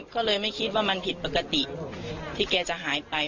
ก็เลยไม่คิดว่ามันผิดปกติที่แกจะหายไป